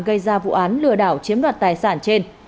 gây ra vụ án lừa đảo chiếm đoạt tài sản trên